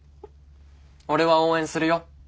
俺は応援するよ